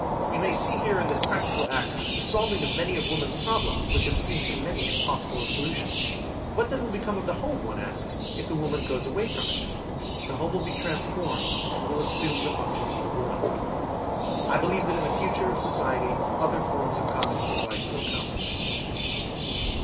We may see here in this practical act the solving of many of woman's problems which have seemed to many impossible of solution. What then will become of the home, one asks, if the woman goes away from it? The home will be transformed and will assume the functions of the woman. I believe that in the future of society other forms of communistic life will come.